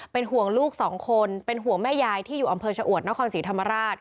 เป็นห่วงลูกสองคนเป็นห่วงแม่ยายที่อยู่อำเภอชะอวดนครศรีธรรมราช